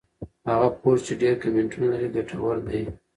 هغه پوسټ چې ډېر کمنټونه لري ګټور دی.